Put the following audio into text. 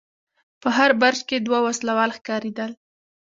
په هر برج کې دوه وسلوال ښکارېدل.